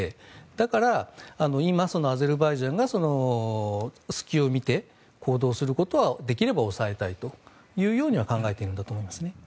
だから今、そのアゼルバイジャンが隙を見て行動することはできれば抑えたいというようには考えているんだと思います。